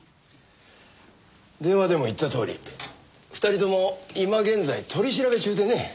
電話でも言ったとおり２人とも今現在取り調べ中でね。